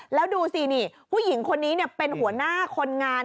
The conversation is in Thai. แล้วดูสินี่ผู้หญิงคนนี้เป็นหัวหน้าคนงาน